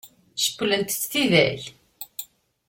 Cewwlent-t tidak?